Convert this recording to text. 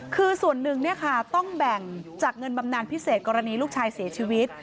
คือส่วนหนึ่งต้องแบ่งจากเงินบำนานพิเศษกรณีลูกชายเสียชีวิต